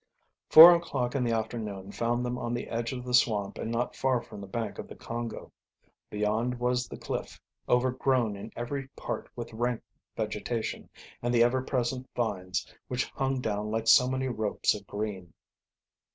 Four o'clock in the afternoon found them on the edge of the swamp and not far from the bank of the Congo. Beyond was the cliff, overgrown in every part with rank vegetation, and the ever present vines, which hung down like so many ropes of green.